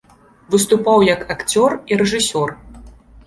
Выступаў як акцёр і рэжысёр.